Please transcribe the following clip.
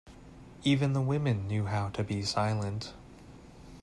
Even the women knew how to be silent.